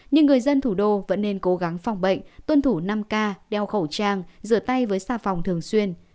nhưng người dân thủ đô vẫn nên cố gắng phòng bệnh tuân thủ năm k đeo khẩu trang rửa tay với xa phòng thường xuyên